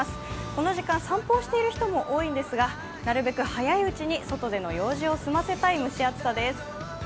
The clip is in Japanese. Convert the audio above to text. この時間、散歩をしている人も多いんですがなるべく早いうちに外での用事を済ませたい蒸し暑さです。